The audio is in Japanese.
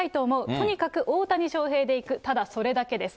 とにかく大谷翔平でいく、ただそれだけです。